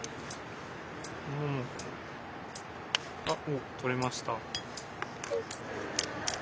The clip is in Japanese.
あっ取れました。